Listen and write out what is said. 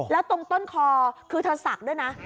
แล้วตรงต้นคอคือเธอศักดิ์ด้วยนะ